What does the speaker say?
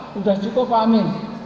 sudah cukup pak amin